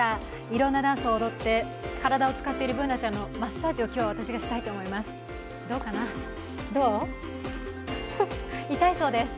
いろんなダンスを踊って体を使っているＢｏｏｎａちゃんのマッサージを今日、私がしたいと思います。